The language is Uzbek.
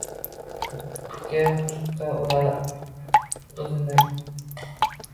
Utga-chuqqa urar uzini